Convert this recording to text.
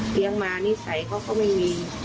เลี้ยงมานิสัยเขาก็ไม่มี